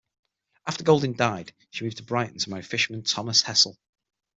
After Golding died, she moved to Brighton to marry fisherman Thomas Hessel.